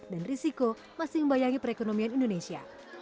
dan risiko masih membayangi perekonomian indonesia